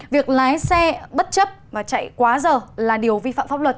việc lái xe bất chấp và chạy quá giờ là điều vi phạm pháp luật